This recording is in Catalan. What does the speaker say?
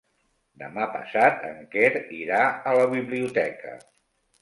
Demà passat en Quer irà a la biblioteca.